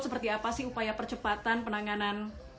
seperti apa sih upaya percepatan penanganan